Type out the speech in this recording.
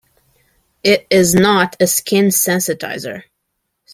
It is a not a skin sensitizer.